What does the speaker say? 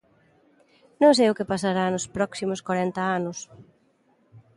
Non sei o que pasará nos próximos corenta anos.